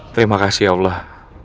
terima kasih ya allah